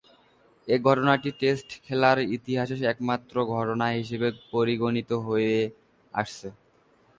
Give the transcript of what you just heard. এ ঘটনাটি টেস্ট খেলার ইতিহাসে একমাত্র ঘটনা হিসেবে পরিগণিত হয়ে আসছে।